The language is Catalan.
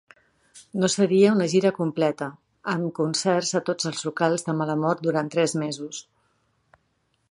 No seria una gira completa, amb concerts a tots els locals de mala mort durant tres mesos.